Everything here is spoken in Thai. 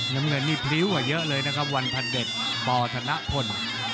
น้ำเงินนี่พริ้วกว่าเยอะเลยนะครับวันพันเด็ดปธนพล